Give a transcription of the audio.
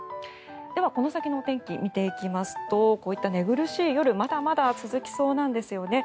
では、この先のお天気見ていきますとこういった寝苦しい夜まだまだ続きそうなんですよね。